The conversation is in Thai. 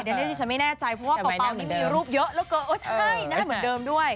เดี๋ยวดีฉันไม่แน่ใจเพราะว่าป่าวนี้มีรูปเยอะแล้วก็โอ้ใช่หน้าเหมือนเดิมด้วย